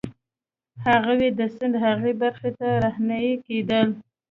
هغوی د سیند هغې برخې ته رهنيي کېدل.